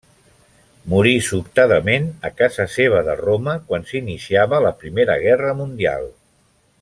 Morí sobtadament a casa seva de Roma, quan s'iniciava la primera guerra mundial.